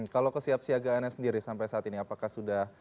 kalau kesiapsiagaannya sendiri sampai saat ini apakah sudah